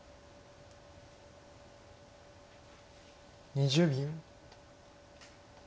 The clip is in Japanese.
２０秒。